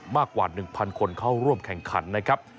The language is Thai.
มากกว่าหนึ่งพันคนเข้าร่วมแข่งขันนะครับ